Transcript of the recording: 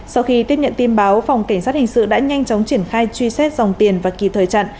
sau khi tiếp nhận tin báo phòng cảnh sát hình sự đã nhanh chóng triển khai truy xét dòng tiền và kịp thời chặn